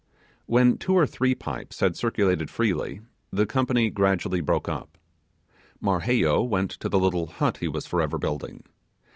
When two or three pipes had circulated freely, the company gradually broke up. Marheyo went to the little hut he was forever building.